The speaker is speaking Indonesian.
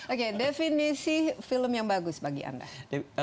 oke definisi film yang bagus bagi anda